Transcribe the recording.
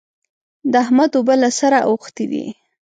د احمد اوبه له سره اوښتې دي.